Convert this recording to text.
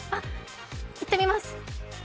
いってみます。